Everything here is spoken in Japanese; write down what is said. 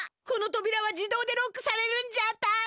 このとびらは自動でロックされるんじゃった！